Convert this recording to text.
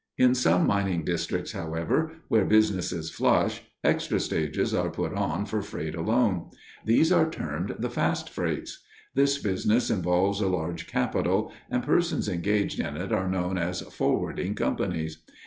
In some mining districts, however, where business is flush, extra stages are put on for freight alone. These are termed the fast freights. This business involves a large capital, and persons engaged in it are known as forwarding companies.